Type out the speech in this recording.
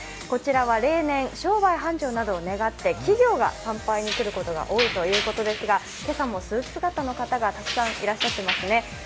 こちらは例年、商売繁盛などを願って企業が参拝に来ることが多いということですが、今朝もスーツ姿の方がたくさんいらっしゃってますね。